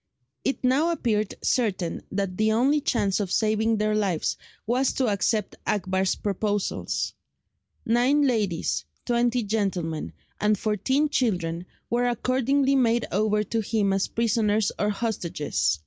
It now appeared certain that the only chance of saving their lives was to accept Akbar's proposals. Nine ladies, twenty gentlemen, and fourteen children were accordingly made over to him as prisoners or hostages.